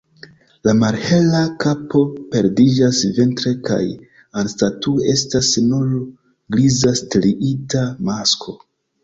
La malhela kapo perdiĝas vintre kaj anstataŭe estas nur griza striita masko.